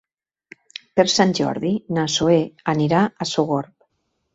Per Sant Jordi na Zoè anirà a Sogorb.